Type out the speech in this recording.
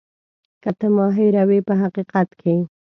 که ته ما هېروې په حقیقت کې.